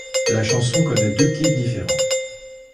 La chanson connait deux clips différents.